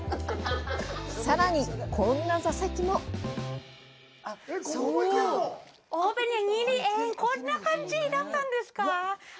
さらに、こんな座席もえっ、こんな感じだったんですか！？